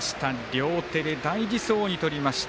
両手で大事そうにとりました。